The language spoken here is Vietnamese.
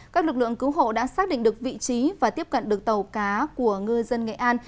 các lực lượng cứu hộ đã xác định được vị trí và tiếp cận được tàu cá của ngư dân nghệ an